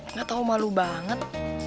nggak tau malu banget